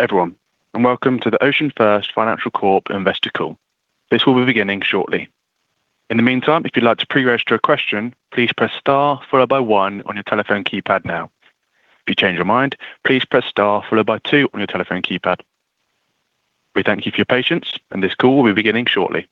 Hello everyone, and welcome to the OceanFirst Financial Corp Investor Call. This will be beginning shortly. In the meantime, if you'd like to pre-register a question, please press star followed by one on your telephone keypad now. If you change your mind, please press star followed by two on your telephone keypad. We thank you for your patience, and this call will be beginning shortly.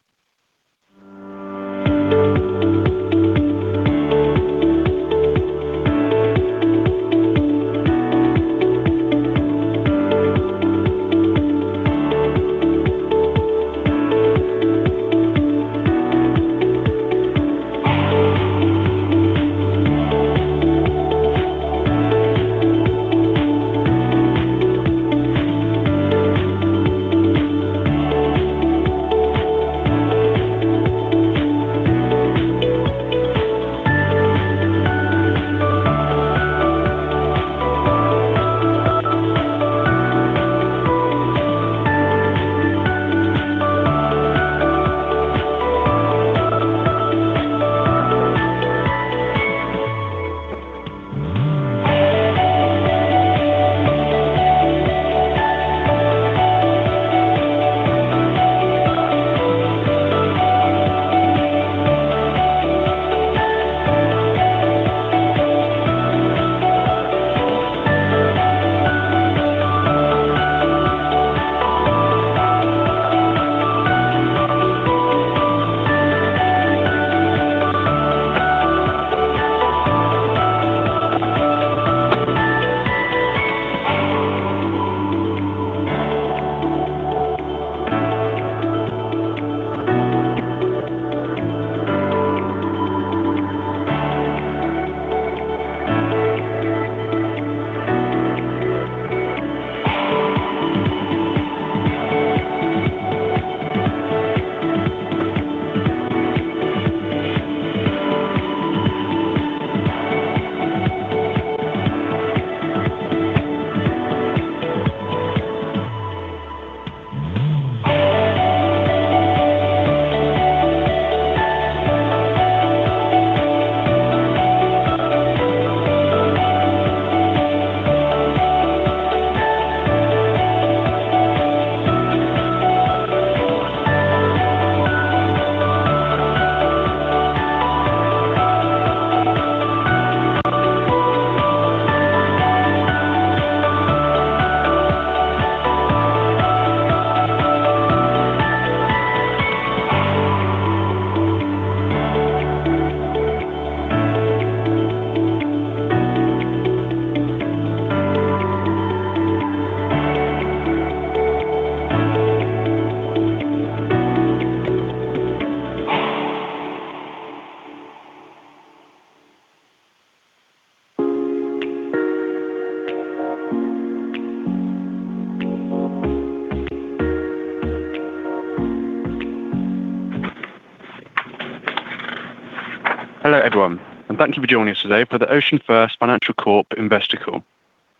Hello everyone, and thank you for joining us today for the OceanFirst Financial Corp Investor Call.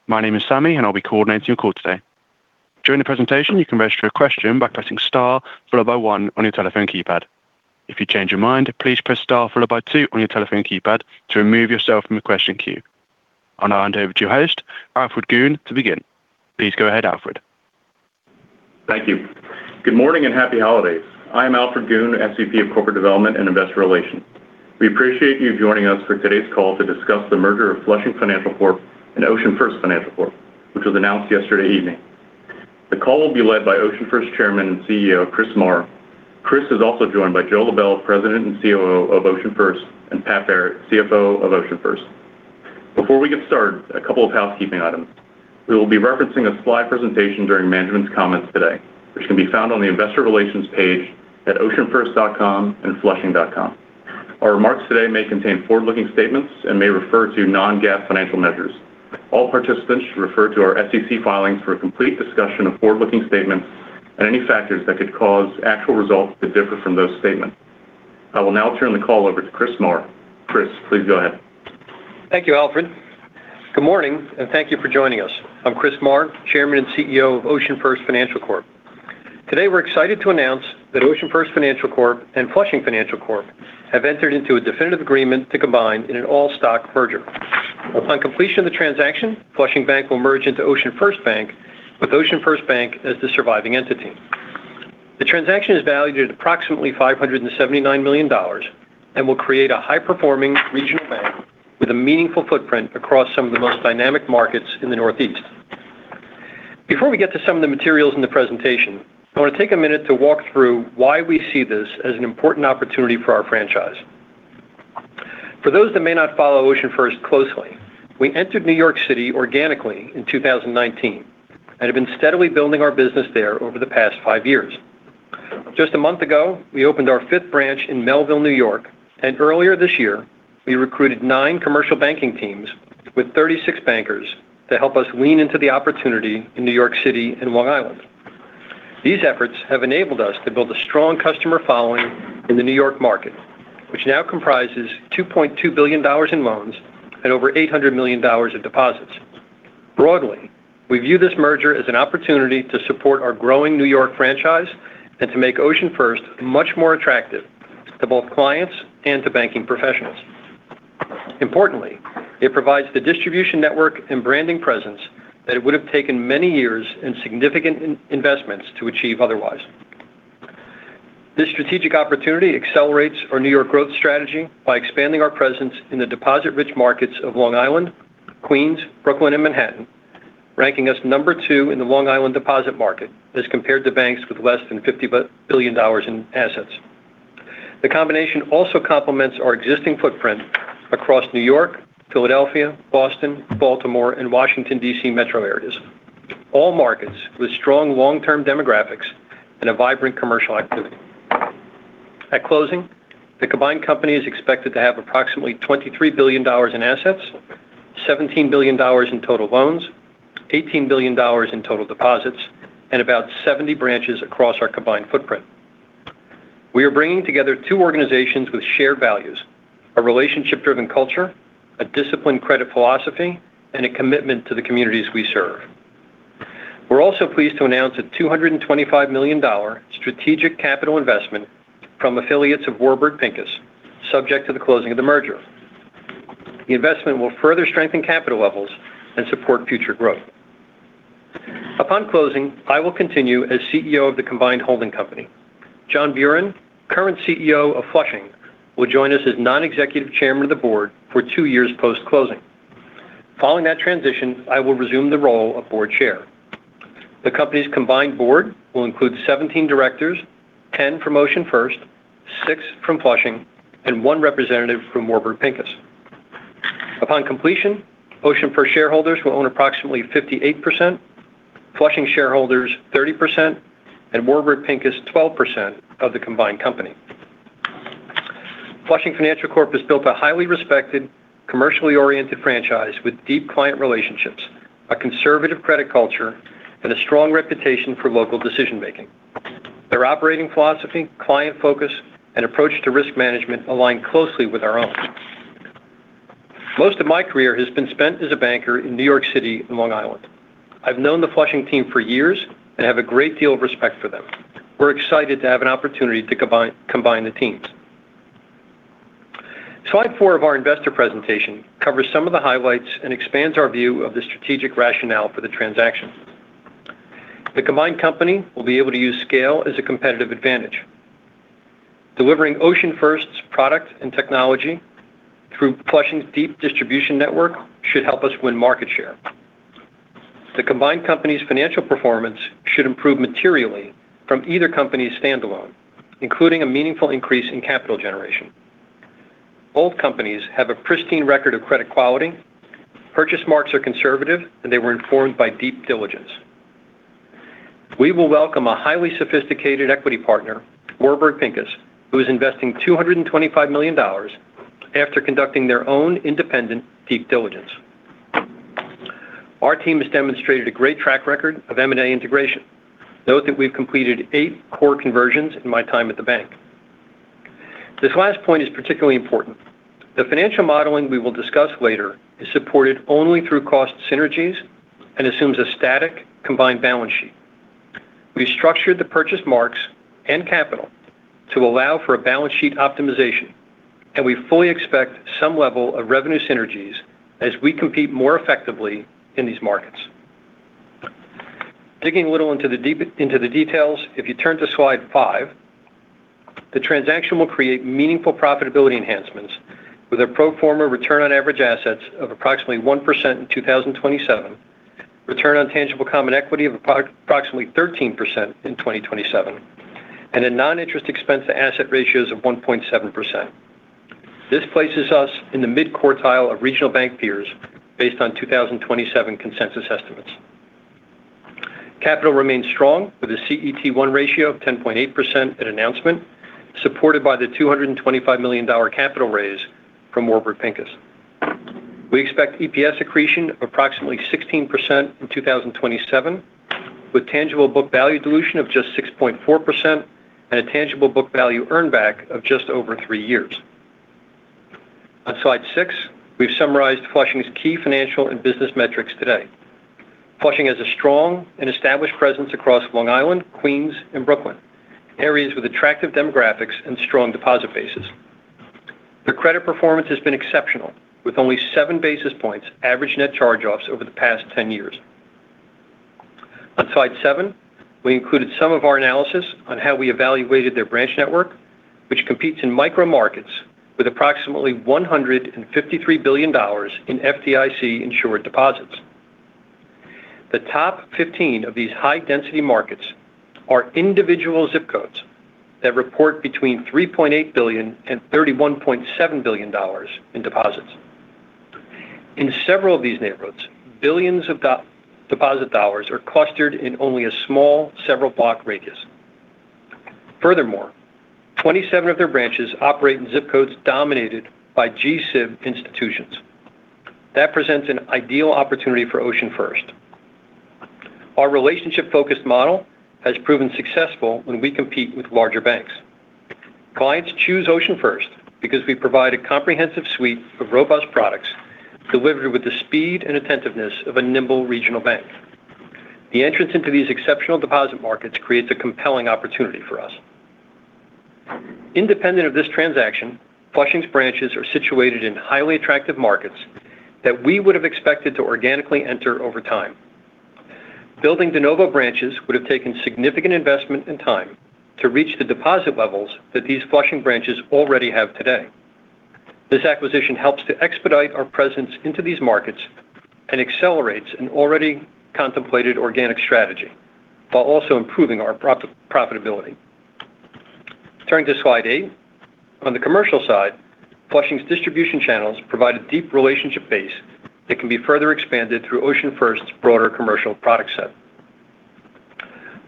My name is Sammy, and I'll be coordinating your call today. During the presentation, you can register a question by pressing star followed by one on your telephone keypad. If you change your mind, please press star followed by two on your telephone keypad to remove yourself from the question queue. I'll now hand over to your host, Alfred Goon, to begin. Please go ahead, Alfred. Thank you. Good morning and happy holidays. I am Alfred Goon, SVP of Corporate Development and Investor Relations. We appreciate you joining us for today's call to discuss the merger of Flushing Financial Corp and OceanFirst Financial Corp, which was announced yesterday evening. The call will be led by OceanFirst Chairman and CEO, Chris Maher. Chris is also joined by Joe Lebel, President and COO of OceanFirst, and Pat Barrett, CFO of OceanFirst. Before we get started, a couple of housekeeping items. We will be referencing a slide presentation during management's comments today, which can be found on the Investor Relations page at oceanfirst.com and flushing.com. Our remarks today may contain forward-looking statements and may refer to non-GAAP financial measures. All participants should refer to our SEC filings for a complete discussion of forward-looking statements and any factors that could cause actual results to differ from those statements. I will now turn the call over to Chris Maher. Chris, please go ahead. Thank you, Alfred. Good morning, and thank you for joining us. I'm Chris Maher, Chairman and CEO of OceanFirst Financial Corp. Today, we're excited to announce that OceanFirst Financial Corp and Flushing Financial Corp have entered into a definitive agreement to combine in an all-stock merger. Upon completion of the transaction, Flushing Bank will merge into OceanFirst Bank, with OceanFirst Bank as the surviving entity. The transaction is valued at approximately $579 million and will create a high-performing regional bank with a meaningful footprint across some of the most dynamic markets in the Northeast. Before we get to some of the materials in the presentation, I want to take a minute to walk through why we see this as an important opportunity for our franchise. For those that may not follow OceanFirst closely, we entered New York City organically in 2019 and have been steadily building our business there over the past five years. Just a month ago, we opened our fifth branch in Melville, New York, and earlier this year, we recruited nine commercial banking teams with 36 bankers to help us lean into the opportunity in New York City and Long Island. These efforts have enabled us to build a strong customer following in the New York market, which now comprises $2.2 billion in loans and over $800 million in deposits. Broadly, we view this merger as an opportunity to support our growing New York franchise and to make OceanFirst much more attractive to both clients and to banking professionals. Importantly, it provides the distribution network and branding presence that it would have taken many years and significant investments to achieve otherwise. This strategic opportunity accelerates our New York growth strategy by expanding our presence in the deposit-rich markets of Long Island, Queens, Brooklyn, and Manhattan, ranking us number two in the Long Island deposit market as compared to banks with less than $50 billion in assets. The combination also complements our existing footprint across New York, Philadelphia, Boston, Baltimore, and Washington, D.C. metro areas, all markets with strong long-term demographics and a vibrant commercial activity. At closing, the combined company is expected to have approximately $23 billion in assets, $17 billion in total loans, $18 billion in total deposits, and about 70 branches across our combined footprint. We are bringing together two organizations with shared values: a relationship-driven culture, a disciplined credit philosophy, and a commitment to the communities we serve. We're also pleased to announce a $225 million strategic capital investment from affiliates of Warburg Pincus, subject to the closing of the merger. The investment will further strengthen capital levels and support future growth. Upon closing, I will continue as CEO of the combined holding company. John Buran, current CEO of Flushing, will join us as non-executive chairman of the board for two years post-closing. Following that transition, I will resume the role of board chair. The company's combined board will include 17 directors, 10 from OceanFirst, six from Flushing, and one representative from Warburg Pincus. Upon completion, OceanFirst shareholders will own approximately 58%, Flushing shareholders 30%, and Warburg Pincus 12% of the combined company. Flushing Financial Corp has built a highly respected, commercially oriented franchise with deep client relationships, a conservative credit culture, and a strong reputation for local decision-making. Their operating philosophy, client focus, and approach to risk management align closely with our own. Most of my career has been spent as a banker in New York City and Long Island. I've known the Flushing team for years and have a great deal of respect for them. We're excited to have an opportunity to combine the teams. Slide four of our investor presentation covers some of the highlights and expands our view of the strategic rationale for the transaction. The combined company will be able to use scale as a competitive advantage. Delivering OceanFirst's product and technology through Flushing's deep distribution network should help us win market share. The combined company's financial performance should improve materially from either company's standalone, including a meaningful increase in capital generation. Both companies have a pristine record of credit quality. Purchase marks are conservative, and they were informed by deep diligence. We will welcome a highly sophisticated equity partner, Warburg Pincus, who is investing $225 million after conducting their own independent due diligence. Our team has demonstrated a great track record of M&A integration. Note that we've completed eight core conversions in my time at the bank. This last point is particularly important. The financial modeling we will discuss later is supported only through cost synergies and assumes a static combined balance sheet. We've structured the purchase marks and capital to allow for a balance sheet optimization, and we fully expect some level of revenue synergies as we compete more effectively in these markets. Digging a little into the details, if you turn to slide five, the transaction will create meaningful profitability enhancements with a pro forma return on average assets of approximately 1% in 2027, return on tangible common equity of approximately 13% in 2027, and a non-interest expense to asset ratios of 1.7%. This places us in the mid-quartile of regional bank peers based on 2027 consensus estimates. Capital remains strong with a CET1 ratio of 10.8% at announcement, supported by the $225 million capital raise from Warburg Pincus. We expect EPS accretion of approximately 16% in 2027, with tangible book value dilution of just 6.4% and a tangible book value earnback of just over three years. On slide six, we've summarized Flushing's key financial and business metrics today. Flushing has a strong and established presence across Long Island, Queens, and Brooklyn, areas with attractive demographics and strong deposit bases. Their credit performance has been exceptional, with only seven basis points average net charge-offs over the past 10 years. On slide seven, we included some of our analysis on how we evaluated their branch network, which competes in micro markets with approximately $153 billion in FDIC-insured deposits. The top 15 of these high-density markets are individual zip codes that report between $3.8 billion-$31.7 billion in deposits. In several of these neighborhoods, billions of deposit dollars are clustered in only a small several-block radius. Furthermore, 27 of their branches operate in zip codes dominated by G-SIB institutions. That presents an ideal opportunity for OceanFirst. Our relationship-focused model has proven successful when we compete with larger banks. Clients choose OceanFirst because we provide a comprehensive suite of robust products delivered with the speed and attentiveness of a nimble regional bank. The entrance into these exceptional deposit markets creates a compelling opportunity for us. Independent of this transaction, Flushing's branches are situated in highly attractive markets that we would have expected to organically enter over time. Building de novo branches would have taken significant investment and time to reach the deposit levels that these Flushing branches already have today. This acquisition helps to expedite our presence into these markets and accelerates an already contemplated organic strategy while also improving our profitability. Turning to slide eight, on the commercial side, Flushing's distribution channels provide a deep relationship base that can be further expanded through OceanFirst's broader commercial product set.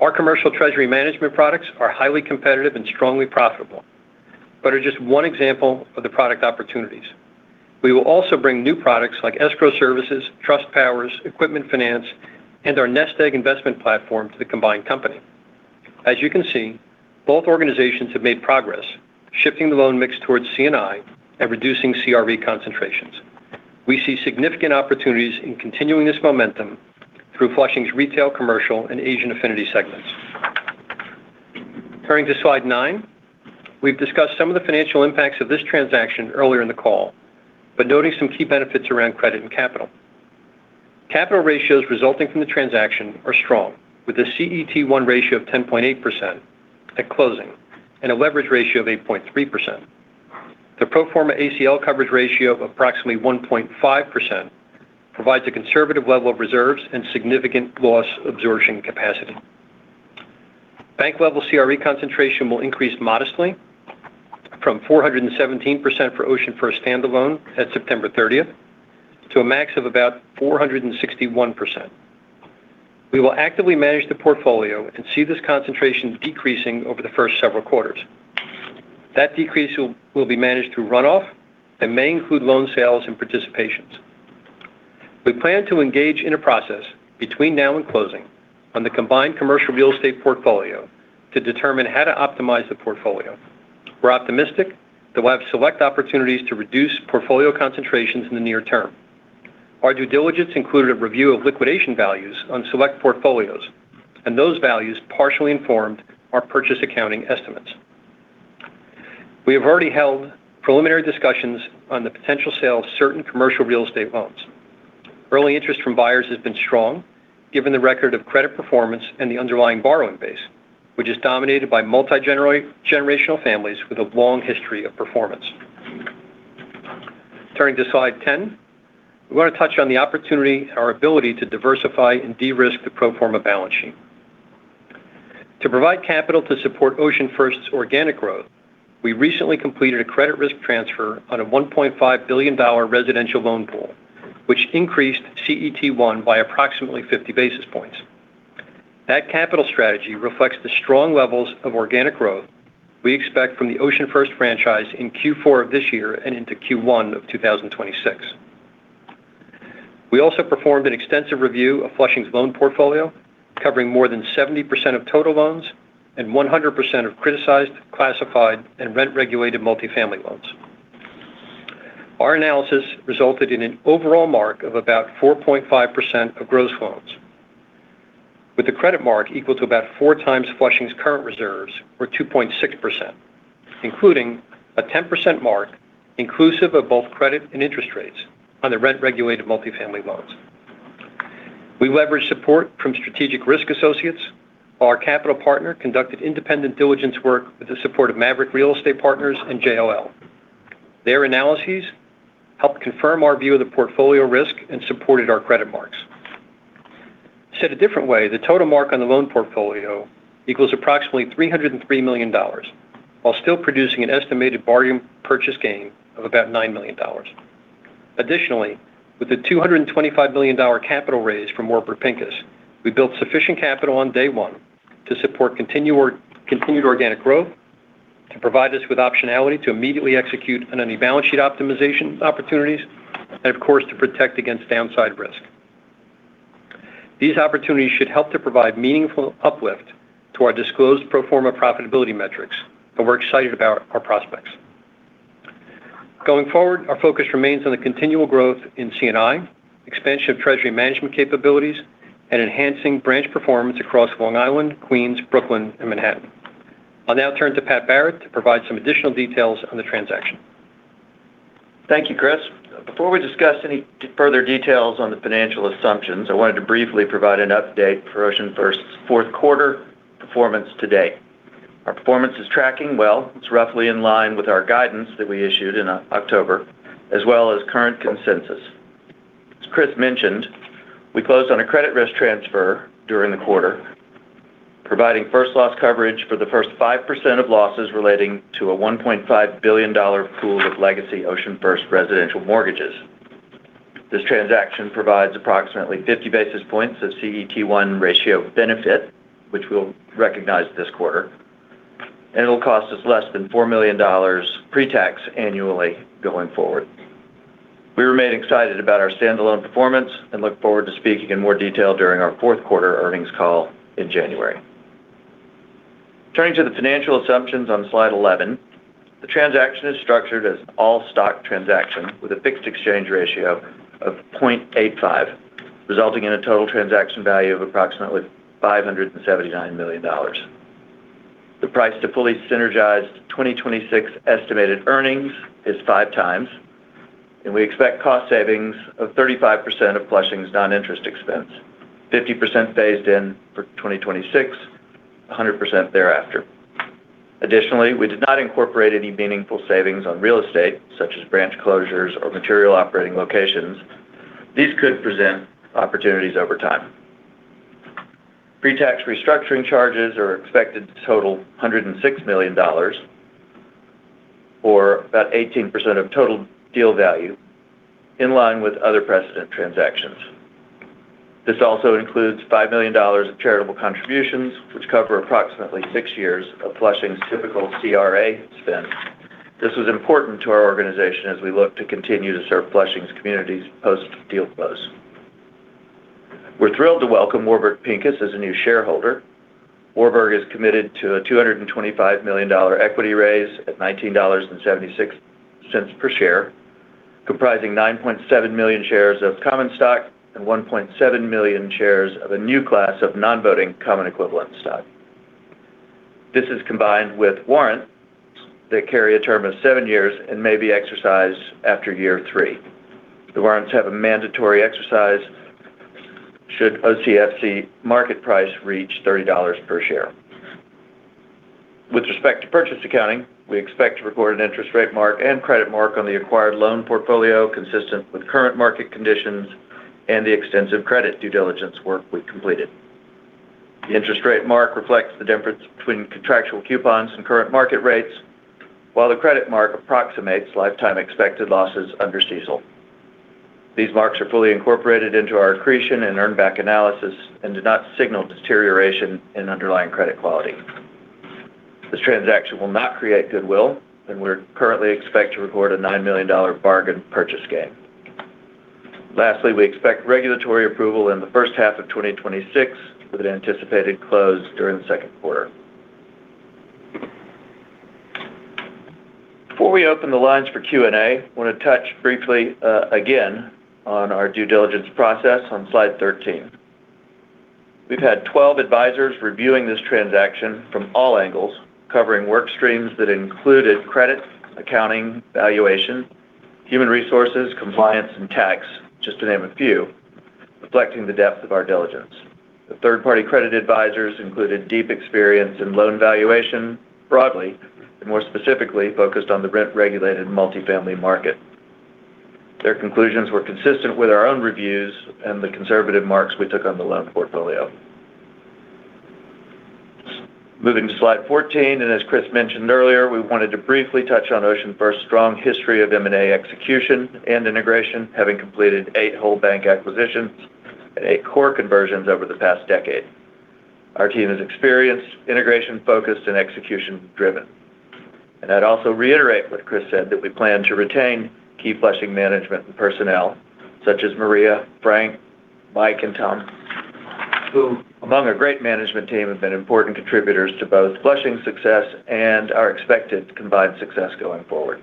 Our commercial treasury management products are highly competitive and strongly profitable, but are just one example of the product opportunities. We will also bring new products like escrow services, trust powers, equipment finance, and our Nest Egg Investment platform to the combined company. As you can see, both organizations have made progress, shifting the loan mix towards C&I and reducing CRE concentrations. We see significant opportunities in continuing this momentum through Flushing's retail, commercial, and Asian affinity segments. Turning to slide nine, we've discussed some of the financial impacts of this transaction earlier in the call, but noting some key benefits around credit and capital. Capital ratios resulting from the transaction are strong, with a CET1 ratio of 10.8% at closing and a leverage ratio of 8.3%. The pro forma ACL coverage ratio of approximately 1.5% provides a conservative level of reserves and significant loss absorption capacity. Bank-level CRE concentration will increase modestly from 417% for OceanFirst standalone at September 30th to a max of about 461%. We will actively manage the portfolio and see this concentration decreasing over the first several quarters. That decrease will be managed through runoff and may include loan sales and participations. We plan to engage in a process between now and closing on the combined commercial real estate portfolio to determine how to optimize the portfolio. We're optimistic that we'll have select opportunities to reduce portfolio concentrations in the near term. Our due diligence included a review of liquidation values on select portfolios, and those values partially informed our purchase accounting estimates. We have already held preliminary discussions on the potential sale of certain commercial real estate loans. Early interest from buyers has been strong, given the record of credit performance and the underlying borrowing base, which is dominated by multi-generational families with a long history of performance. Turning to slide 10, we want to touch on the opportunity and our ability to diversify and de-risk the pro forma balance sheet. To provide capital to support OceanFirst's organic growth, we recently completed a credit risk transfer on a $1.5 billion residential loan pool, which increased CET1 by approximately 50 basis points. That capital strategy reflects the strong levels of organic growth we expect from the OceanFirst franchise in Q4 of this year and into Q1 of 2026. We also performed an extensive review of Flushing's loan portfolio, covering more than 70% of total loans and 100% of criticized, classified, and rent-regulated multifamily loans. Our analysis resulted in an overall mark of about 4.5% of gross loans, with the credit mark equal to about four times Flushing's current reserves, or 2.6%, including a 10% mark inclusive of both credit and interest rates on the rent-regulated multifamily loans. We leveraged support from Strategic Risk Associates. Our capital partner conducted independent diligence work with the support of Maverick Real Estate Partners and JLL. Their analyses helped confirm our view of the portfolio risk and supported our credit marks. Said a different way, the total mark on the loan portfolio equals approximately $303 million, while still producing an estimated bargain purchase gain of about $9 million. Additionally, with the $225 million capital raised from Warburg Pincus, we built sufficient capital on day one to support continued organic growth, to provide us with optionality to immediately execute on any balance sheet optimization opportunities, and, of course, to protect against downside risk. These opportunities should help to provide meaningful uplift to our disclosed pro forma profitability metrics, and we're excited about our prospects. Going forward, our focus remains on the continual growth in C&I, expansion of treasury management capabilities, and enhancing branch performance across Long Island, Queens, Brooklyn, and Manhattan. I'll now turn to Pat Barrett to provide some additional details on the transaction. Thank you, Chris. Before we discuss any further details on the financial assumptions, I wanted to briefly provide an update for OceanFirst's fourth quarter performance today. Our performance is tracking well. It's roughly in line with our guidance that we issued in October, as well as current consensus. As Chris mentioned, we closed on a credit risk transfer during the quarter, providing first loss coverage for the first 5% of losses relating to a $1.5 billion pool of legacy OceanFirst residential mortgages. This transaction provides approximately 50 basis points of CET1 ratio benefit, which we'll recognize this quarter, and it'll cost us less than $4 million pre-tax annually going forward. We remain excited about our standalone performance and look forward to speaking in more detail during our fourth quarter earnings call in January. Turning to the financial assumptions on slide 11, the transaction is structured as an all-stock transaction with a fixed exchange ratio of 0.85, resulting in a total transaction value of approximately $579 million. The price to fully synergized 2026 estimated earnings is five times, and we expect cost savings of 35% of Flushing's non-interest expense, 50% phased in for 2026, 100% thereafter. Additionally, we did not incorporate any meaningful savings on real estate, such as branch closures or material operating locations. These could present opportunities over time. Pre-tax restructuring charges are expected to total $106 million, or about 18% of total deal value, in line with other precedent transactions. This also includes $5 million of charitable contributions, which cover approximately six years of Flushing's typical CRA spend. This was important to our organization as we look to continue to serve Flushing's communities post-deal close. We're thrilled to welcome Warburg Pincus as a new shareholder. Warburg is committed to a $225 million equity raise at $19.76 per share, comprising 9.7 million shares of common stock and 1.7 million shares of a new class of non-voting common equivalent stock. This is combined with warrants that carry a term of seven years and may be exercised after year three. The warrants have a mandatory exercise should OCFC market price reach $30 per share. With respect to purchase accounting, we expect to record an interest rate mark and credit mark on the acquired loan portfolio consistent with current market conditions and the extensive credit due diligence work we completed. The interest rate mark reflects the difference between contractual coupons and current market rates, while the credit mark approximates lifetime expected losses under CECL. These marks are fully incorporated into our accretion and earnback analysis and do not signal deterioration in underlying credit quality. This transaction will not create goodwill, and we currently expect to record a $9 million bargain purchase gain. Lastly, we expect regulatory approval in the first half of 2026 with an anticipated close during the second quarter. Before we open the lines for Q&A, I want to touch briefly again on our due diligence process on slide 13. We've had 12 advisors reviewing this transaction from all angles, covering work streams that included credit, accounting, valuation, human resources, compliance, and tax, just to name a few, reflecting the depth of our diligence. The third-party credit advisors included deep experience in loan valuation broadly and more specifically focused on the rent-regulated multifamily market. Their conclusions were consistent with our own reviews and the conservative marks we took on the loan portfolio. Moving to slide 14, and as Chris mentioned earlier, we wanted to briefly touch on OceanFirst's strong history of M&A execution and integration, having completed eight whole bank acquisitions and eight core conversions over the past decade. Our team is experienced, integration-focused, and execution-driven, and I'd also reiterate what Chris said, that we plan to retain key Flushing management and personnel, such as Maria, Frank, Mike, and Tom, who, among a great management team, have been important contributors to both Flushing's success and our expected combined success going forward.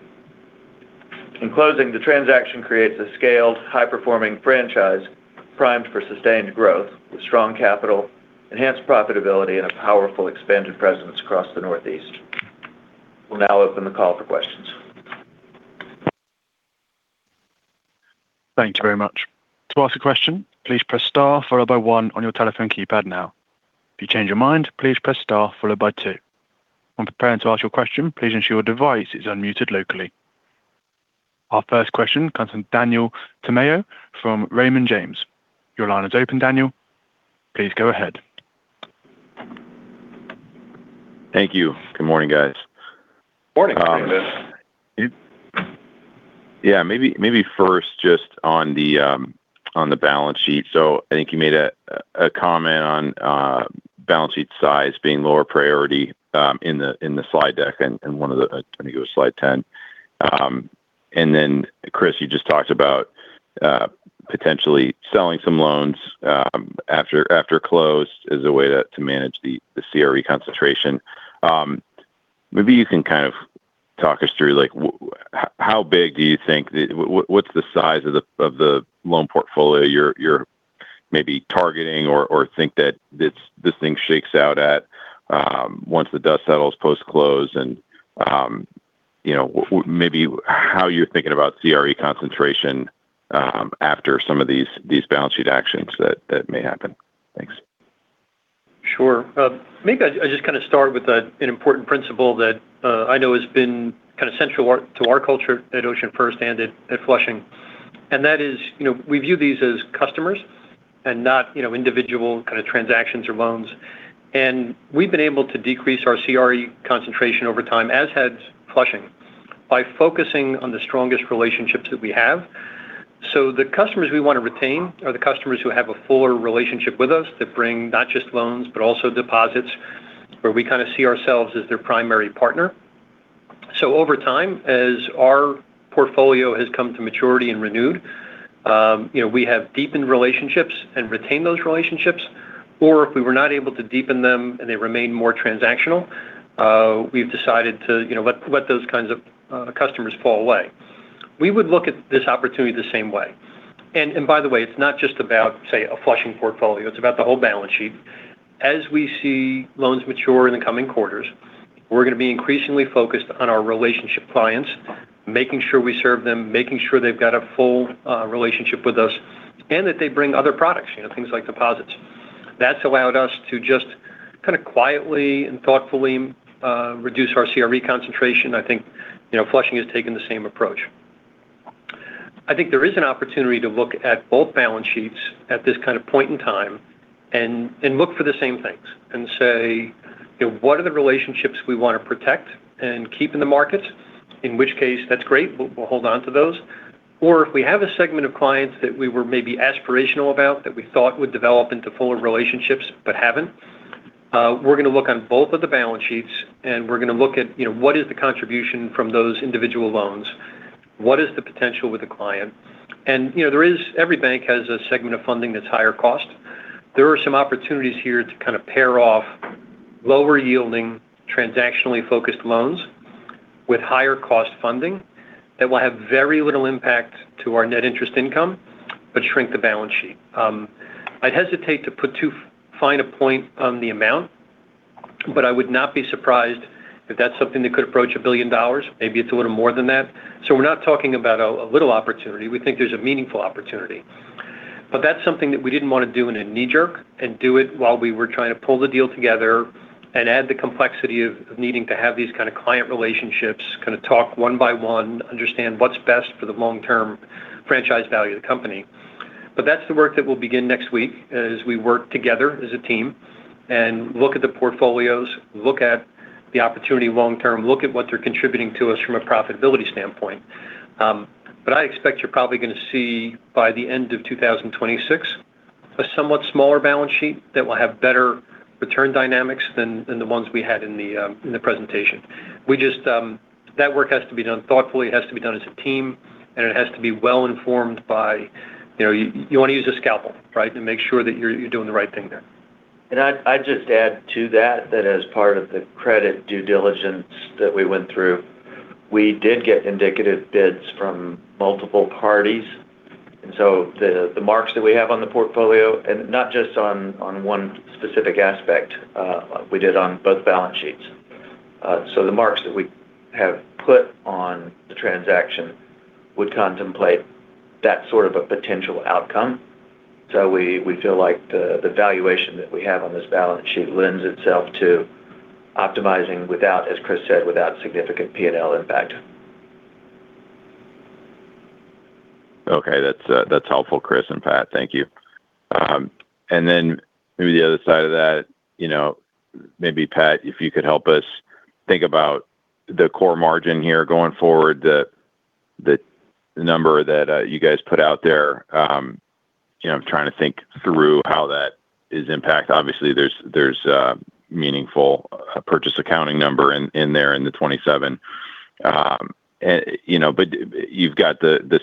In closing, the transaction creates a scaled, high-performing franchise primed for sustained growth with strong capital, enhanced profitability, and a powerful expanded presence across the Northeast. We'll now open the call for questions. Thank you very much. To ask a question, please press Star followed by 1 on your telephone keypad now. If you change your mind, please press Star followed by 2. When preparing to ask your question, please ensure your device is unmuted locally. Our first question comes from Daniel Tamayo from Raymond James. Your line is open, Daniel. Please go ahead. Thank you. Good morning, guys. Morning, Daniel. Yeah, maybe first just on the balance sheet. So I think you made a comment on balance sheet size being lower priority in the slide deck and one of the, I think it was slide 10. And then, Chris, you just talked about potentially selling some loans after close as a way to manage the CRE concentration. Maybe you can kind of talk us through how big do you think what's the size of the loan portfolio you're maybe targeting or think that this thing shakes out at once the dust settles post-close and maybe how you're thinking about CRE concentration after some of these balance sheet actions that may happen? Thanks. Sure. Maybe I'll just kind of start with an important principle that I know has been kind of central to our culture at OceanFirst and at Flushing, and that is we view these as customers and not individual kind of transactions or loans, and we've been able to decrease our CRE concentration over time, as has Flushing, by focusing on the strongest relationships that we have. The customers we want to retain are the customers who have a fuller relationship with us that bring not just loans, but also deposits, where we kind of see ourselves as their primary partner. Over time, as our portfolio has come to maturity and renewed, we have deepened relationships and retained those relationships. Or if we were not able to deepen them and they remained more transactional, we've decided to let those kinds of customers fall away. We would look at this opportunity the same way. By the way, it's not just about, say, a Flushing portfolio. It's about the whole balance sheet. As we see loans mature in the coming quarters, we're going to be increasingly focused on our relationship clients, making sure we serve them, making sure they've got a full relationship with us, and that they bring other products, things like deposits. That's allowed us to just kind of quietly and thoughtfully reduce our CRE concentration. I think Flushing has taken the same approach. I think there is an opportunity to look at both balance sheets at this kind of point in time and look for the same things and say, "What are the relationships we want to protect and keep in the markets?" In which case, that's great. We'll hold on to those. Or if we have a segment of clients that we were maybe aspirational about, that we thought would develop into fuller relationships but haven't, we're going to look on both of the balance sheets, and we're going to look at what is the contribution from those individual loans? What is the potential with the client? And every bank has a segment of funding that's higher cost. There are some opportunities here to kind of pair off lower-yielding, transactionally focused loans with higher-cost funding that will have very little impact to our net interest income but shrink the balance sheet. I'd hesitate to put too fine a point on the amount, but I would not be surprised if that's something that could approach $1 billion. Maybe it's a little more than that. So we're not talking about a little opportunity. We think there's a meaningful opportunity. But that's something that we didn't want to do in a knee-jerk and do it while we were trying to pull the deal together and add the complexity of needing to have these kind of client relationships, kind of talk one by one, understand what's best for the long-term franchise value of the company. But that's the work that we'll begin next week as we work together as a team and look at the portfolios, look at the opportunity long-term, look at what they're contributing to us from a profitability standpoint. But I expect you're probably going to see by the end of 2026 a somewhat smaller balance sheet that will have better return dynamics than the ones we had in the presentation. That work has to be done thoughtfully. It has to be done as a team, and it has to be well-informed by you want to use a scalpel, right, and make sure that you're doing the right thing there. And I'd just add to that that as part of the credit due diligence that we went through, we did get indicative bids from multiple parties. And so the marks that we have on the portfolio, and not just on one specific aspect, we did on both balance sheets. So the marks that we have put on the transaction would contemplate that sort of a potential outcome. So we feel like the valuation that we have on this balance sheet lends itself to optimizing without, as Chris said, without significant P&L impact. Okay. That's helpful, Chris and Pat. Thank you. And then maybe the other side of that, maybe Pat, if you could help us think about the core margin here going forward, the number that you guys put out there. I'm trying to think through how that is impacted. Obviously, there's a meaningful purchase accounting number in there in the 2027. But you've got the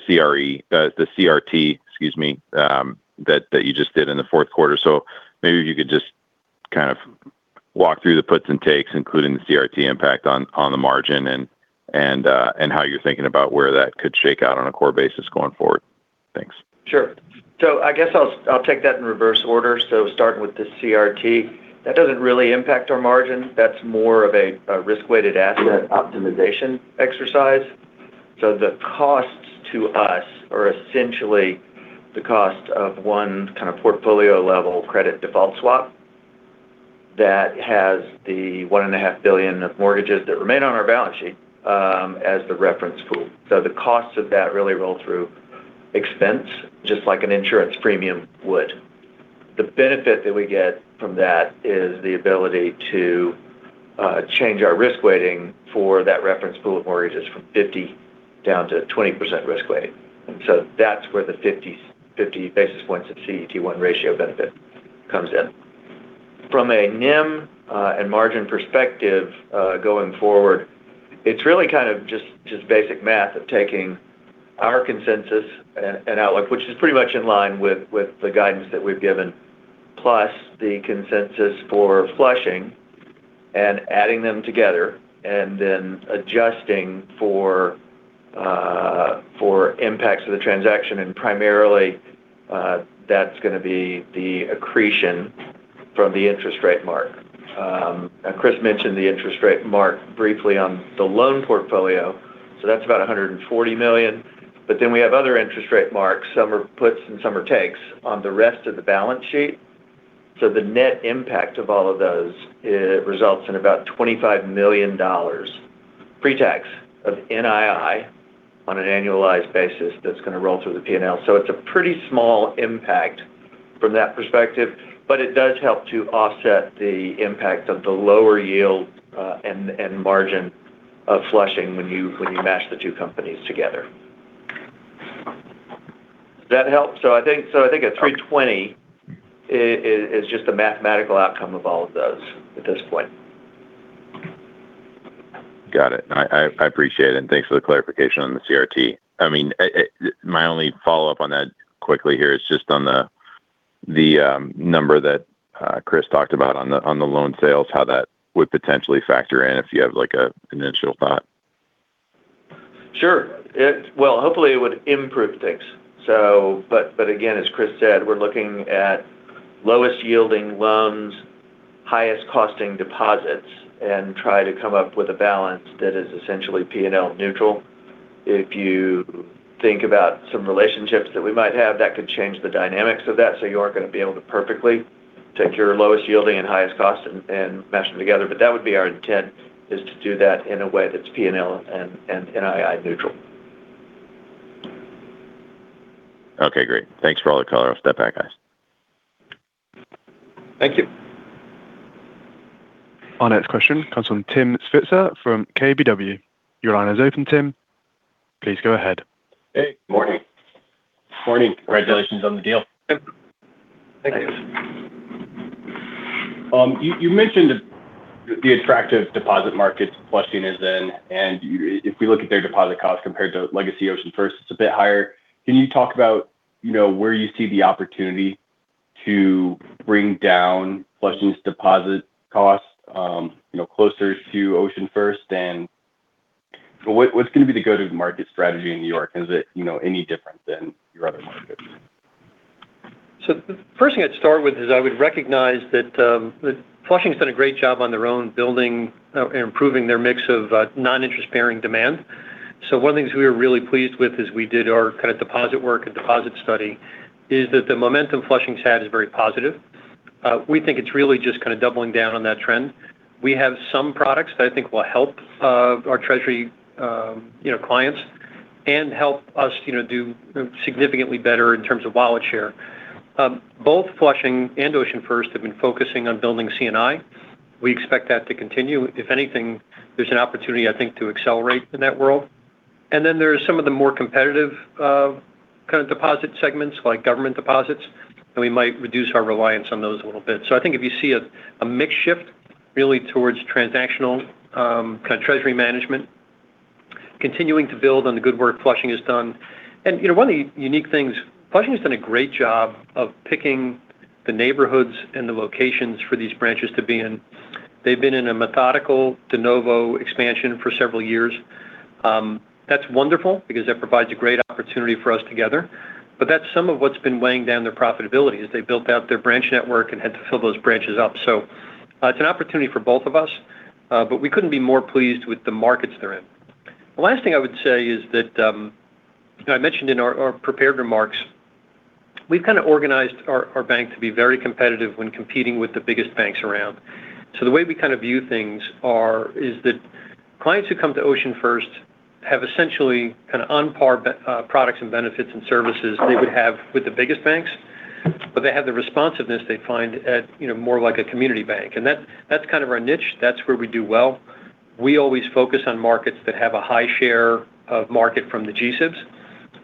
CRT, excuse me, that you just did in the fourth quarter. So maybe if you could just kind of walk through the puts and takes, including the CRT impact on the margin and how you're thinking about where that could shake out on a core basis going forward. Thanks. Sure. So I guess I'll take that in reverse order. So starting with the CRT, that doesn't really impact our margin. That's more of a risk-weighted asset optimization exercise. So the costs to us are essentially the cost of one kind of portfolio-level credit default swap that has the $1.5 billion of mortgages that remain on our balance sheet as the reference pool. So the costs of that really roll through expense, just like an insurance premium would. The benefit that we get from that is the ability to change our risk weighting for that reference pool of mortgages from 50% down to 20% risk weighting. And so that's where the 50 basis points of CET1 ratio benefit comes in. From a NIM and margin perspective going forward, it's really kind of just basic math of taking our consensus and outlook, which is pretty much in line with the guidance that we've given, plus the consensus for Flushing and adding them together and then adjusting for impacts of the transaction. And primarily, that's going to be the accretion from the interest rate mark. Now, Chris mentioned the interest rate mark briefly on the loan portfolio. So that's about $140 million. But then we have other interest rate marks, some are puts and some are takes, on the rest of the balance sheet. So the net impact of all of those results in about $25 million pre-tax of NII on an annualized basis that's going to roll through the P&L. So it's a pretty small impact from that perspective, but it does help to offset the impact of the lower yield and margin of Flushing when you match the two companies together. Does that help? So I think a 320 is just a mathematical outcome of all of those at this point. Got it. I appreciate it. And thanks for the clarification on the CRT. I mean, my only follow-up on that quickly here is just on the number that Chris talked about on the loan sales, how that would potentially factor in if you have an initial thought. Sure. Well, hopefully, it would improve things. But again, as Chris said, we're looking at lowest-yielding loans, highest-costing deposits, and try to come up with a balance that is essentially P&L neutral. If you think about some relationships that we might have, that could change the dynamics of that. So you aren't going to be able to perfectly take your lowest-yielding and highest cost and mash them together. But that would be our intent, is to do that in a way that's P&L and NII neutral. Okay. Great. Thanks for all the color off the back, guys. Thank you. Our next question comes from Tim Switzer from KBW. Your line is open, Tim. Please go ahead. Hey. Good morning. Morning. Congratulations on the deal. Thank you. You mentioned the attractive deposit market Flushing is in. And if we look at their deposit cost compared to legacy OceanFirst, it's a bit higher. Can you talk about where you see the opportunity to bring down Flushing's deposit cost closer to OceanFirst? And what's going to be the go-to-market strategy in New York? Is it any different than your other markets? So the first thing I'd start with is I would recognize that Flushing's done a great job on their own building and improving their mix of non-interest-bearing demand. So one of the things we are really pleased with as we did our kind of deposit work and deposit study is that the momentum Flushing's had is very positive. We think it's really just kind of doubling down on that trend. We have some products that I think will help our treasury clients and help us do significantly better in terms of wallet share. Both Flushing and OceanFirst have been focusing on building C&I. We expect that to continue. If anything, there's an opportunity, I think, to accelerate in that world. And then there are some of the more competitive kind of deposit segments, like government deposits, that we might reduce our reliance on those a little bit. So I think if you see a mixed shift really towards transactional kind of treasury management, continuing to build on the good work Flushing has done. And one of the unique things, Flushing has done a great job of picking the neighborhoods and the locations for these branches to be in. They've been in a methodical de novo expansion for several years. That's wonderful because that provides a great opportunity for us together. But that's some of what's been weighing down their profitability as they built out their branch network and had to fill those branches up. So it's an opportunity for both of us, but we couldn't be more pleased with the markets they're in. The last thing I would say is that I mentioned in our prepared remarks, we've kind of organized our bank to be very competitive when competing with the biggest banks around. So the way we kind of view things is that clients who come to OceanFirst have essentially kind of unparalleled products and benefits and services they would have with the biggest banks, but they have the responsiveness they'd find at more like a community bank. And that's kind of our niche. That's where we do well. We always focus on markets that have a high share of market from the G-SIBs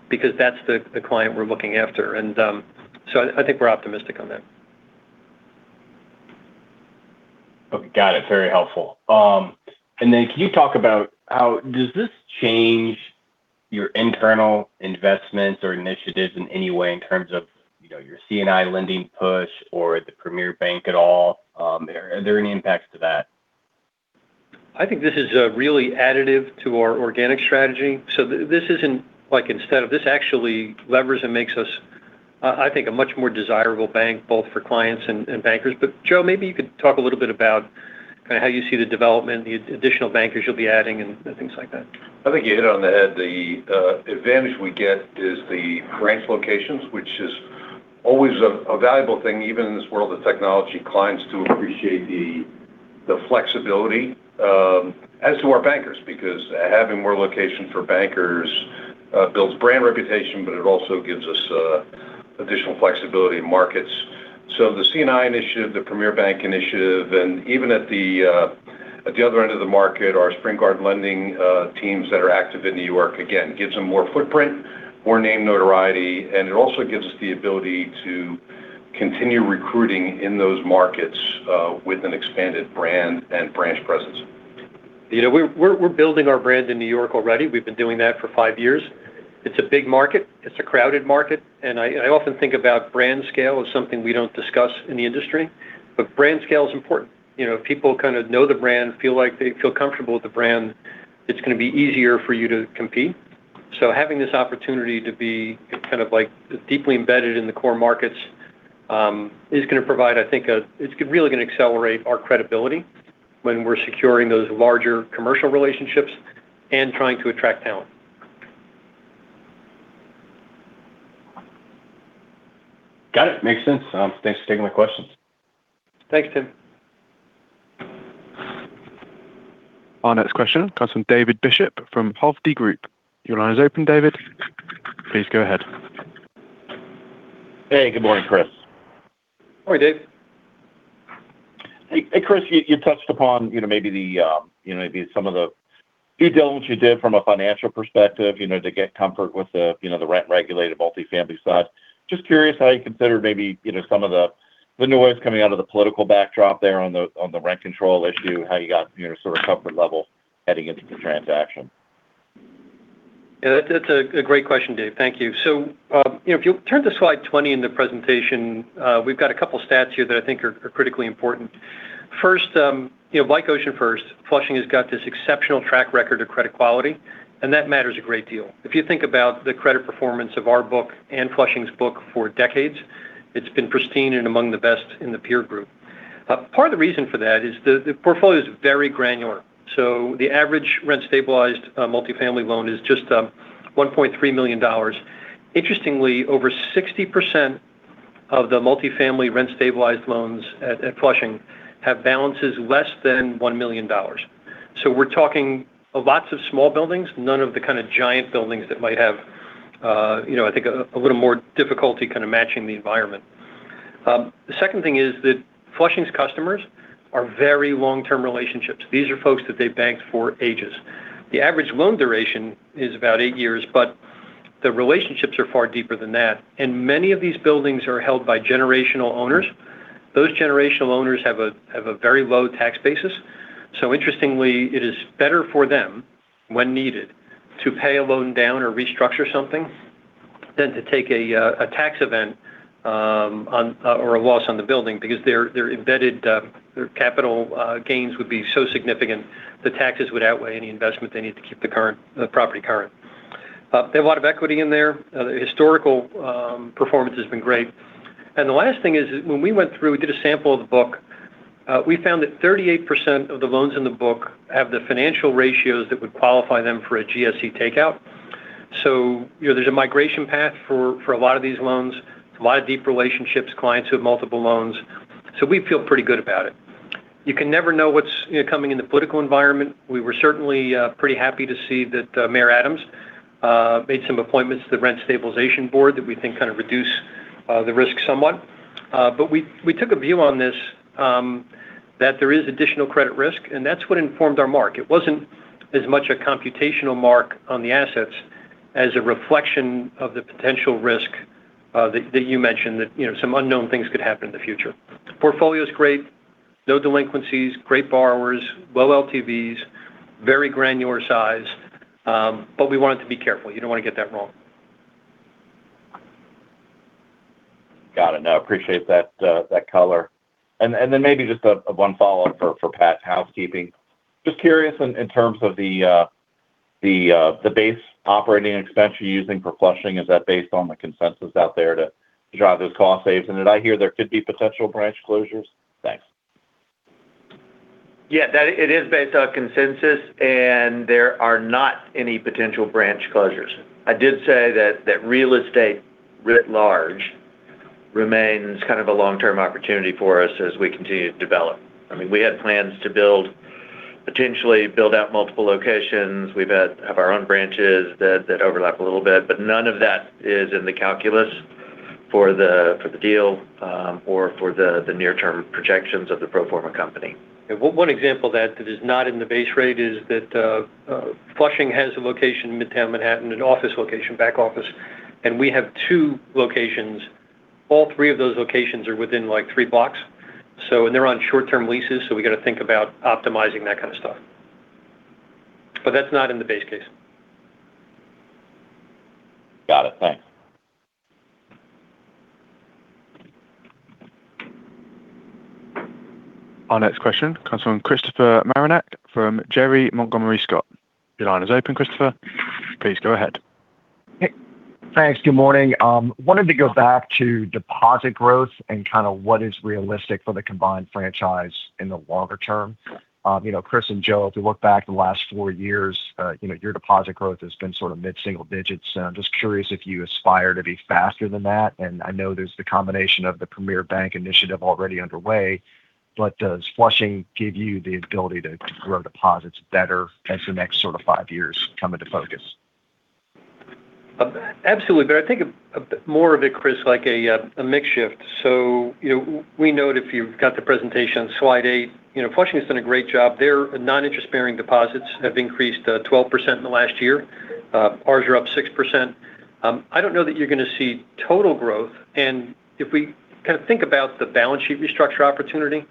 because that's the client we're looking after. And so I think we're optimistic on that. Okay. Got it. Very helpful. And then can you talk about how does this change your internal investments or initiatives in any way in terms of your C&I lending push or the Premier Banking at all? Are there any impacts to that? I think this is really additive to our organic strategy. So this isn't like instead of this actually leverages and makes us, I think, a much more desirable bank both for clients and bankers. But Joe, maybe you could talk a little bit about kind of how you see the development, the additional bankers you'll be adding, and things like that. I think you hit it on the head. The advantage we get is the branch locations, which is always a valuable thing, even in this world of technology. Clients do appreciate the flexibility as to our bankers because having more locations for bankers builds brand reputation, but it also gives us additional flexibility in markets. So the C&I initiative, the Premier Banking initiative, and even at the other end of the market, our Spring Garden Lending teams that are active in New York, again, gives them more footprint, more name notoriety, and it also gives us the ability to continue recruiting in those markets with an expanded brand and branch presence. We're building our brand in New York already. We've been doing that for five years. It's a big market. It's a crowded market. And I often think about brand scale as something we don't discuss in the industry. But brand scale is important. If people kind of know the brand, feel comfortable with the brand, it's going to be easier for you to compete. Having this opportunity to be kind of deeply embedded in the core markets is going to provide, I think, it's really going to accelerate our credibility when we're securing those larger commercial relationships and trying to attract talent. Got it. Makes sense. Thanks for taking my questions. Thanks, Tim. Our next question comes from David Bishop from Hovde Group. Your line is open, David. Please go ahead. Hey. Good morning, Chris. Morning, Dave. Hey, Chris. You touched upon maybe some of the due diligence you did from a financial perspective to get comfort with the rent-regulated multifamily side. Just curious how you considered maybe some of the noise coming out of the political backdrop there on the rent control issue, how you got sort of comfort level heading into the transaction. Yeah. That's a great question, Dave. Thank you. So if you'll turn to slide 20 in the presentation, we've got a couple of stats here that I think are critically important. First, like OceanFirst, Flushing has got this exceptional track record of credit quality, and that matters a great deal. If you think about the credit performance of our book and Flushing's book for decades, it's been pristine and among the best in the peer group. Part of the reason for that is the portfolio is very granular. So the average rent-stabilized multifamily loan is just $1.3 million. Interestingly, over 60% of the multifamily rent-stabilized loans at Flushing have balances less than $1 million. So we're talking lots of small buildings, none of the kind of giant buildings that might have, I think, a little more difficulty kind of matching the environment. The second thing is that Flushing's customers are very long-term relationships. These are folks that they've banked for ages. The average loan duration is about eight years, but the relationships are far deeper than that. And many of these buildings are held by generational owners. Those generational owners have a very low tax basis. So interestingly, it is better for them, when needed, to pay a loan down or restructure something than to take a tax event or a loss on the building because their embedded capital gains would be so significant, the taxes would outweigh any investment they need to keep the property current. They have a lot of equity in there. Their historical performance has been great. And the last thing is, when we went through, we did a sample of the book. We found that 38% of the loans in the book have the financial ratios that would qualify them for a GSE takeout. So there's a migration path for a lot of these loans. It's a lot of deep relationships, clients who have multiple loans. So we feel pretty good about it. You can never know what's coming in the political environment. We were certainly pretty happy to see that Mayor Adams made some appointments to the Rent Stabilization Board that we think kind of reduce the risk somewhat. But we took a view on this that there is additional credit risk, and that's what informed our mark. It wasn't as much a computational mark on the assets as a reflection of the potential risk that you mentioned, that some unknown things could happen in the future. Portfolio is great. No delinquencies. Great borrowers. Low LTVs. Very granular size. But we wanted to be careful. You don't want to get that wrong. Got it. No, appreciate that color. And then maybe just one follow-up for Pat's housekeeping. Just curious in terms of the base operating expense you're using for Flushing, is that based on the consensus out there to drive those cost savings? And did I hear there could be potential branch closures? Thanks. Yeah. It is based on consensus, and there are not any potential branch closures. I did say that real estate writ large remains kind of a long-term opportunity for us as we continue to develop. I mean, we had plans to potentially build out multiple locations. We have our own branches that overlap a little bit, but none of that is in the calculus for the deal or for the near-term projections of the pro forma company. One example that is not in the base case is that Flushing has a location in Midtown Manhattan, an office location, back office. And we have two locations. All three of those locations are within three blocks. And they're on short-term leases, so we got to think about optimizing that kind of stuff. But that's not in the base case. Got it. Thanks. Our next question comes from Christopher Marinac from Janney Montgomery Scott. Your line is open, Christopher. Please go ahead. Hey. Thanks. Good morning. Wanted to go back to deposit growth and kind of what is realistic for the combined franchise in the longer term. Chris and Joe, if you look back the last four years, your deposit growth has been sort of mid-single digits. I'm just curious if you aspire to be faster than that. And I know there's the combination of the Premier Banking initiative already underway, but does Flushing give you the ability to grow deposits better as the next sort of five years come into focus? Absolutely. But I think more of it, Chris, like a mixed shift. So we know that if you've got the presentation on slide 8, Flushing has done a great job. Their non-interest-bearing deposits have increased 12% in the last year. Ours are up 6%. I don't know that you're going to see total growth. And if we kind of think about the balance sheet restructure opportunity,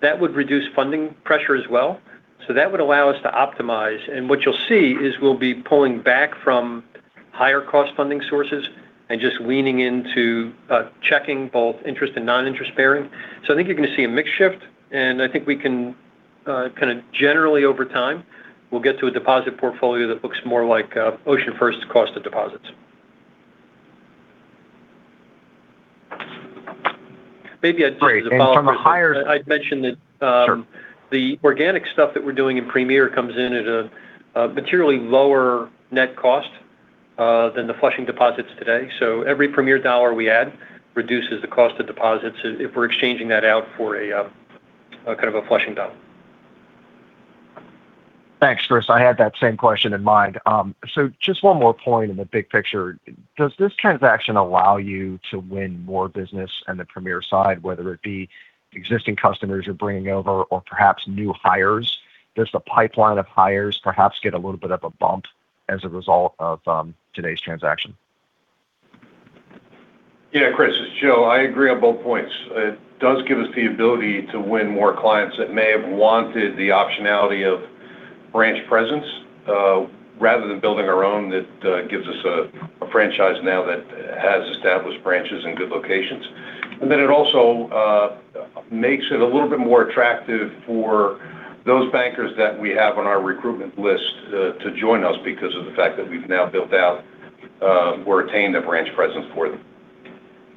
that would reduce funding pressure as well. So that would allow us to optimize. And what you'll see is we'll be pulling back from higher-cost funding sources and just leaning into checking both interest and non-interest-bearing. So I think you're going to see a mixed shift. And I think we can kind of generally, over time, we'll get to a deposit portfolio that looks more like OceanFirst's cost of deposits. Maybe I did a follow-up question. I'd mention that the organic stuff that we're doing in Premier comes in at a materially lower net cost than the Flushing deposits today. So every Premier dollar we add reduces the cost of deposits if we're exchanging that out for kind of a Flushing dollar. Thanks, Chris. I had that same question in mind. So just one more point in the big picture. Does this transaction allow you to win more business on the Premier side, whether it be existing customers you're bringing over or perhaps new hires? Does the pipeline of hires perhaps get a little bit of a bump as a result of today's transaction? Yeah, Chris. This is Joe, I agree on both points. It does give us the ability to win more clients that may have wanted the optionality of branch presence rather than building our own. It gives us a franchise now that has established branches in good locations. And then it also makes it a little bit more attractive for those bankers that we have on our recruitment list to join us because of the fact that we've now built out or attained a branch presence for them.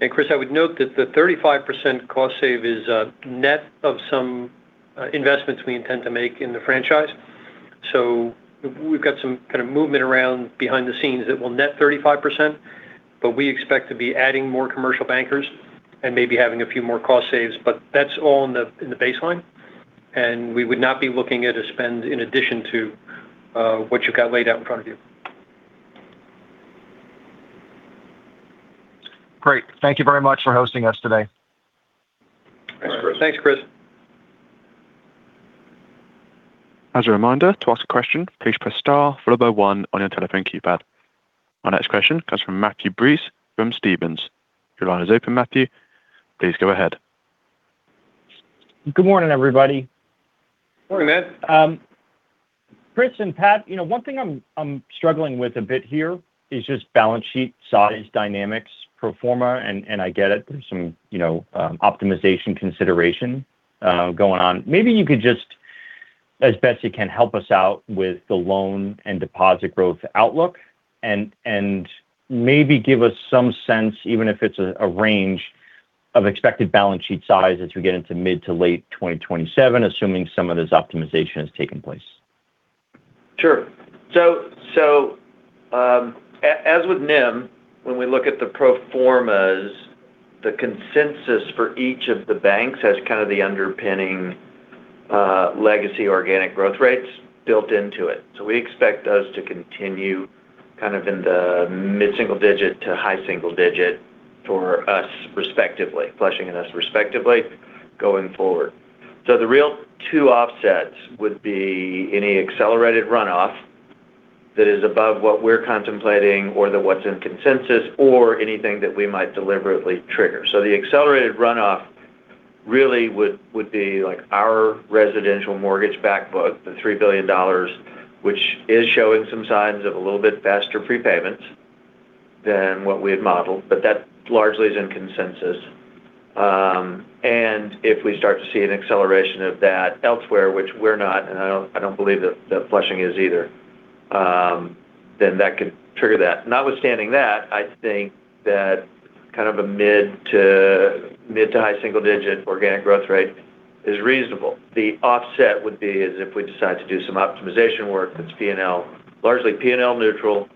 And Chris, I would note that the 35% cost save is net of some investments we intend to make in the franchise. So we've got some kind of movement around behind the scenes that will net 35%, but we expect to be adding more commercial bankers and maybe having a few more cost saves. But that's all in the baseline. And we would not be looking at a spend in addition to what you've got laid out in front of you. Great. Thank you very much for hosting us today. Thanks, Chris. As a reminder, to ask a question, please press star followed by one on your telephone keypad. Our next question comes from Matthew Breese from Stephens. Your line is open, Matthew. Please go ahead. Good morning, everybody. Morning, Matt. Chris and Pat, one thing I'm struggling with a bit here is just balance sheet size dynamics, pro forma, and I get it. There's some optimization consideration going on. Maybe you could just, as best you can, help us out with the loan and deposit growth outlook and maybe give us some sense, even if it's a range, of expected balance sheet size as we get into mid to late 2027, assuming some of this optimization has taken place. Sure. So as with NIM, when we look at the pro formas, the consensus for each of the banks has kind of the underpinning legacy organic growth rates built into it. So we expect those to continue kind of in the mid-single digit to high single digit for us respectively, Flushing and us respectively, going forward. So the real two offsets would be any accelerated runoff that is above what we're contemplating or what's in consensus or anything that we might deliberately trigger. So the accelerated runoff really would be our residential mortgage backbook, the $3 billion, which is showing some signs of a little bit faster prepayments than what we had modeled, but that largely is in consensus. And if we start to see an acceleration of that elsewhere, which we're not, and I don't believe that Flushing is either, then that could trigger that. Notwithstanding that, I think that kind of a mid to high single digit organic growth rate is reasonable. The offset would be as if we decide to do some optimization work that's largely P&L neutral,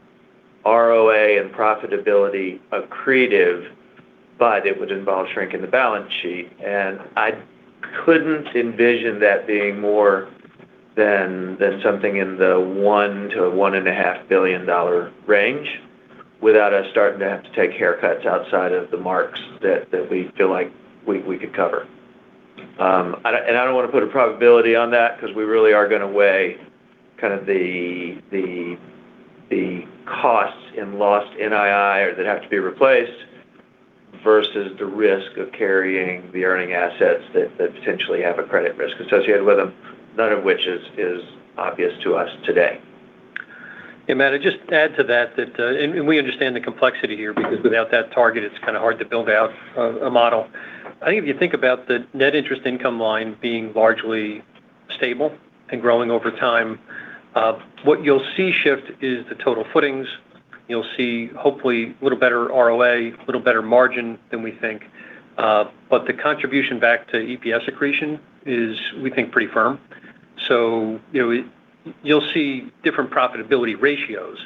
ROA and profitability accretive, but it would involve shrinking the balance sheet. I couldn't envision that being more than something in the $1 billion-$1.5 billion range without us starting to have to take haircuts outside of the marks that we feel like we could cover. I don't want to put a probability on that because we really are going to weigh kind of the costs in lost NII or that have to be replaced versus the risk of carrying the earning assets that potentially have a credit risk associated with them, none of which is obvious to us today. Yeah, man. I'd just add to that that, and we understand the complexity here because without that target, it's kind of hard to build out a model. I think if you think about the net interest income line being largely stable and growing over time, what you'll see shift is the total footings. You'll see, hopefully, a little better ROA, a little better margin than we think. But the contribution back to EPS accretion is, we think, pretty firm. So you'll see different profitability ratios.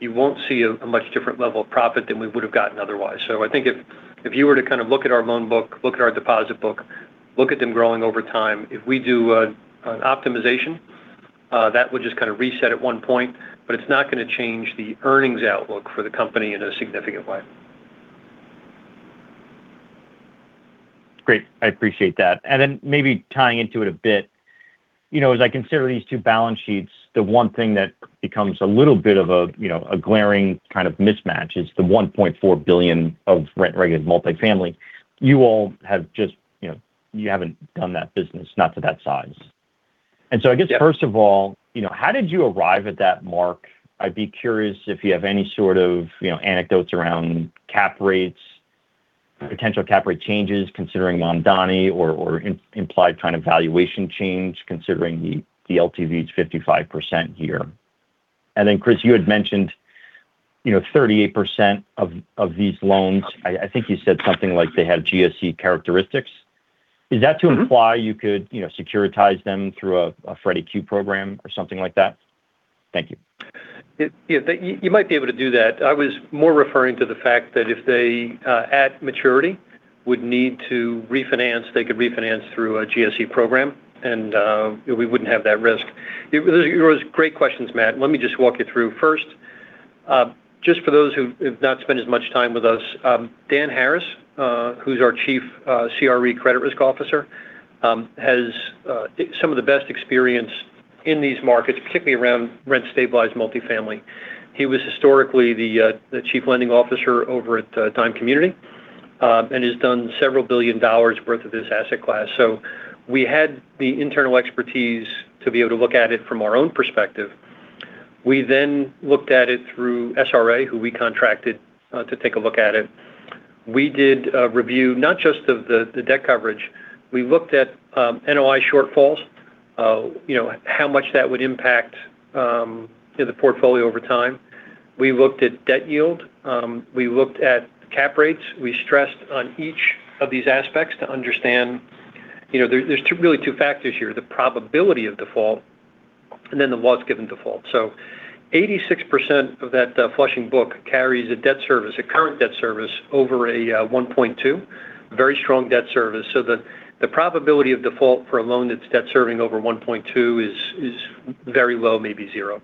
You won't see a much different level of profit than we would have gotten otherwise. So I think if you were to kind of look at our loan book, look at our deposit book, look at them growing over time, if we do an optimization, that would just kind of reset at one point, but it's not going to change the earnings outlook for the company in a significant way. Great. I appreciate that. And then maybe tying into it a bit, as I consider these two balance sheets, the one thing that becomes a little bit of a glaring kind of mismatch is the $1.4 billion of rent-regulated multifamily. You all have just, you haven't done that business, not to that size. And so I guess, first of all, how did you arrive at that mark? I'd be curious if you have any sort of anecdotes around cap rates, potential cap rate changes, considering the NOI or implied kind of valuation change, considering the LTV is 55% here. And then, Chris, you had mentioned 38% of these loans. I think you said something like they had GSE characteristics. Is that to imply you could securitize them through a Freddie Mac Q-Deal or something like that? Thank you. Yeah. You might be able to do that. I was more referring to the fact that if they at maturity would need to refinance, they could refinance through a GSE program, and we wouldn't have that risk. There were great questions, Matt. Let me just walk you through. First, just for those who have not spent as much time with us, Dan Harris, who's our Chief CRE Credit Risk Officer, has some of the best experience in these markets, particularly around rent stabilized multifamily. He was historically the Chief Lending Officer over at Dime Community and has done several billion dollars' worth of this asset class. So we had the internal expertise to be able to look at it from our own perspective. We then looked at it through SRA, who we contracted to take a look at it. We did a review not just of the debt coverage. We looked at NOI shortfalls, how much that would impact the portfolio over time. We looked at debt yield. We looked at cap rates. We stressed on each of these aspects to understand there's really two factors here: the probability of default and then the loss-given default. So 86% of that Flushing book carries a current debt service over a 1.2, very strong debt service. So the probability of default for a loan that's debt serving over 1.2 is very low, maybe zero.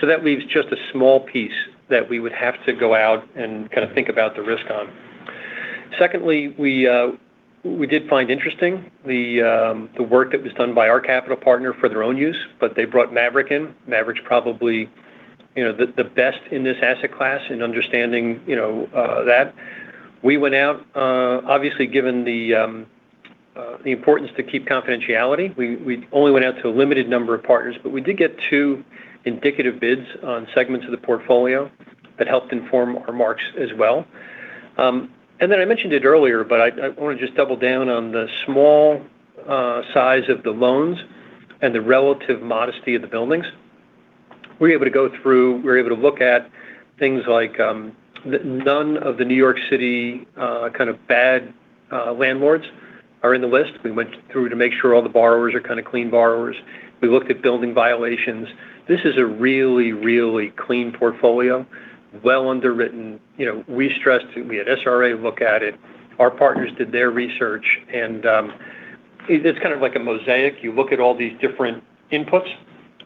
So that leaves just a small piece that we would have to go out and kind of think about the risk on. Secondly, we did find interesting the work that was done by our capital partner for their own use, but they brought Maverick in. Maverick's probably the best in this asset class in understanding that. We went out, obviously, given the importance to keep confidentiality. We only went out to a limited number of partners, but we did get two indicative bids on segments of the portfolio that helped inform our marks as well, and then I mentioned it earlier, but I want to just double down on the small size of the loans and the relative modesty of the buildings. We were able to go through. We were able to look at things like none of the New York City kind of bad landlords are in the list. We went through to make sure all the borrowers are kind of clean borrowers. We looked at building violations. This is a really, really clean portfolio, well underwritten. We stressed it. We had SRA look at it. Our partners did their research, and it's kind of like a mosaic. You look at all these different inputs,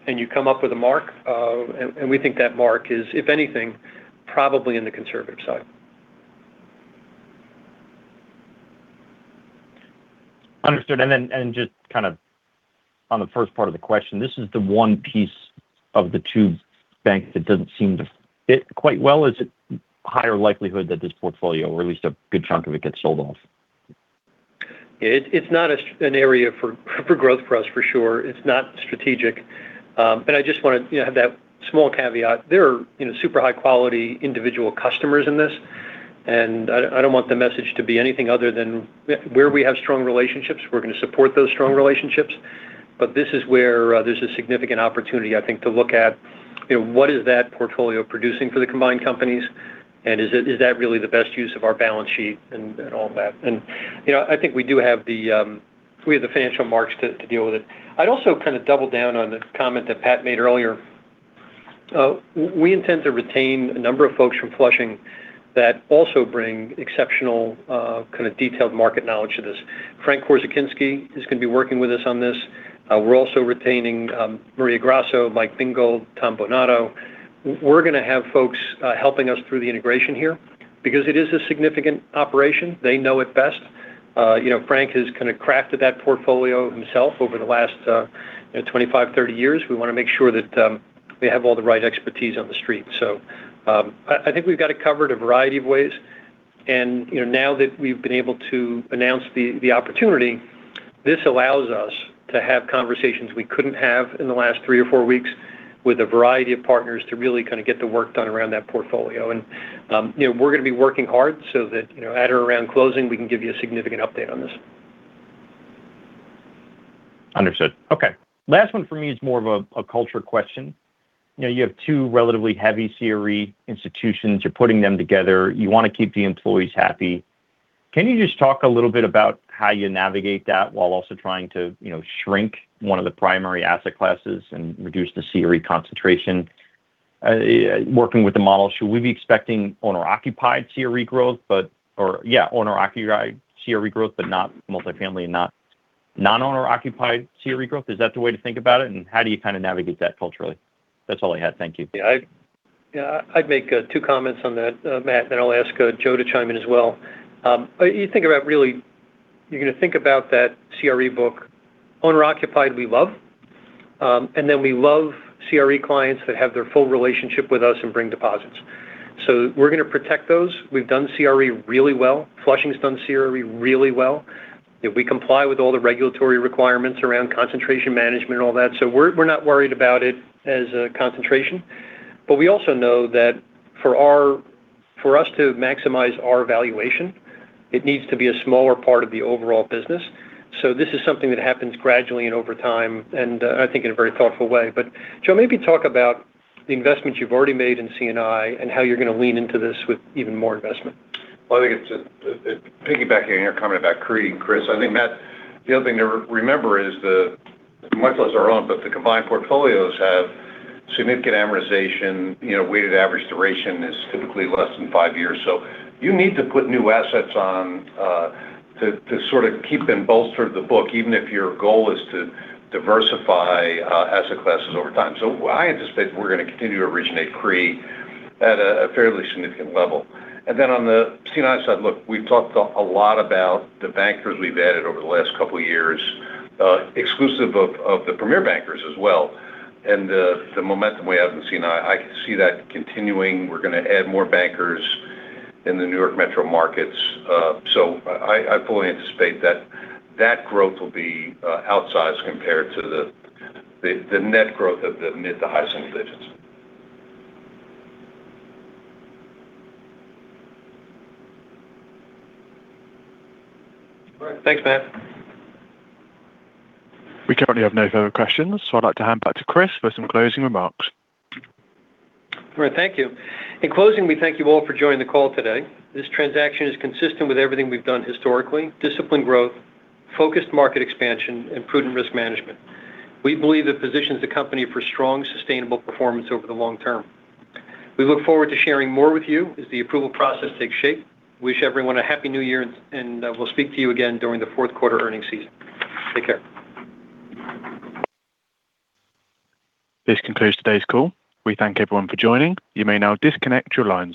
and you come up with a mark. We think that mark is, if anything, probably in the conservative side. Understood. Then just kind of on the first part of the question, this is the one piece of the two banks that doesn't seem to fit quite well. Is it higher likelihood that this portfolio, or at least a good chunk of it, gets sold off? It's not an area for growth for us, for sure. It's not strategic. But I just want to have that small caveat. There are super high-quality individual customers in this. And I don't want the message to be anything other than where we have strong relationships, we're going to support those strong relationships. But this is where there's a significant opportunity, I think, to look at what is that portfolio producing for the combined companies, and is that really the best use of our balance sheet and all that. And I think we do have the financial marks to deal with it. I'd also kind of double down on the comment that Pat made earlier. We intend to retain a number of folks from Flushing that also bring exceptional kind of detailed market knowledge to this. Frank Korzekwinski is going to be working with us on this. We're also retaining Maria Grasso, Mike Bingold, Tom Buonaiuto. We're going to have folks helping us through the integration here because it is a significant operation. They know it best. Frank has kind of crafted that portfolio himself over the last 25, 30 years. We want to make sure that we have all the right expertise on the street. So I think we've got it covered a variety of ways. And now that we've been able to announce the opportunity, this allows us to have conversations we couldn't have in the last three or four weeks with a variety of partners to really kind of get the work done around that portfolio. And we're going to be working hard so that at or around closing, we can give you a significant update on this. Understood. Okay. Last one for me is more of a culture question. You have two relatively heavy CRE institutions. You're putting them together. You want to keep the employees happy. Can you just talk a little bit about how you navigate that while also trying to shrink one of the primary asset classes and reduce the CRE concentration working with the model? Should we be expecting owner-occupied CRE growth, but yeah, owner-occupied CRE growth, but not multifamily and not non-owner-occupied CRE growth? Is that the way to think about it, and how do you kind of navigate that culturally? That's all I had. Thank you. Yeah. I'd make two comments on that, Matt, and I'll ask Joe to chime in as well. You think about really you're going to think about that CRE book, owner-occupied, we love, and then we love CRE clients that have their full relationship with us and bring deposits. So we're going to protect those. We've done CRE really well. Flushing's done CRE really well. We comply with all the regulatory requirements around concentration management and all that. So we're not worried about it as a concentration, but we also know that for us to maximize our valuation, it needs to be a smaller part of the overall business, so this is something that happens gradually and over time, and I think in a very thoughtful way. Joe, maybe talk about the investment you've already made in C&I and how you're going to lean into this with even more investment. Well, I think it's just piggybacking on your comment about accreting, Chris. I think the other thing to remember is, much less our own, but the combined portfolios have significant amortization. Weighted average duration is typically less than five years. So you need to put new assets on to sort of keep and bolster the book, even if your goal is to diversify asset classes over time. So I anticipate we're going to continue to originate CRE at a fairly significant level. And then on the C&I side, look, we've talked a lot about the bankers we've added over the last couple of years, exclusive of the Premier bankers as well. And the momentum we have in C&I, I can see that continuing. We're going to add more bankers in the New York Metro Markets. So I fully anticipate that that growth will be outsized compared to the net growth of the mid to high single digits. All right. Thanks, Matt. We currently have no further questions. So I'd like to hand back to Chris for some closing remarks. All right. Thank you. In closing, we thank you all for joining the call today. This transaction is consistent with everything we've done historically: disciplined growth, focused market expansion, and prudent risk management. We believe it positions the company for strong, sustainable performance over the long term. We look forward to sharing more with you as the approval process takes shape. We wish everyone a happy new year, and we'll speak to you again during the fourth quarter earnings season. Take care. This concludes today's call. We thank everyone for joining. You may now disconnect your lines.